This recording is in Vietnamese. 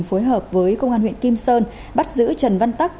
phối hợp với công an huyện kim sơn bắt giữ trần văn tắc